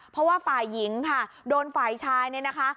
เพราะว่าฝ่ายหญิงค่ะโดนฝ่ายชายเนี่ยนะคะ